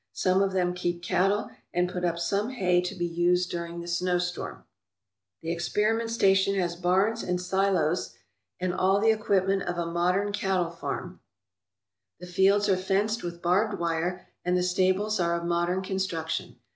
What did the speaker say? Some of them keep cattle and put up some hay to be used during the snowstorms. The experiment station has barns and silos and all the 245 ALASKA OUR NORTHERN WONDERLAND equipment of a modern cattle farm. The fields are fenced with barbed wire and the stables are of modern construc tion.